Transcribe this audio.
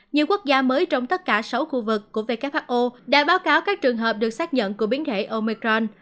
nhiều quốc gia mới trong tất cả sáu khu vực của who đã báo cáo các trường hợp được xác nhận của biến thể omicron